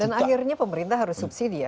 dan akhirnya pemerintah harus subsidi ya